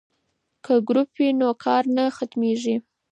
که ګروپ وي نو کار نه سختیږي.